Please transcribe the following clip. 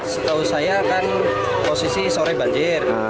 setahu saya kan posisi sore banjir